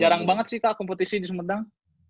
jarang banget sih kak kompetisi di sumedang